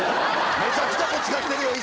めちゃくちゃぶつかってるよ、石。